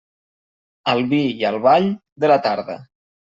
Al vi i al ball, de la tarda.